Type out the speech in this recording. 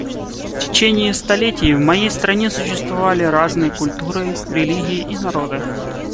В течение столетий в моей стране сосуществовали разные культуры, религии и народы.